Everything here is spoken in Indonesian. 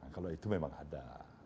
kalau itu memang ada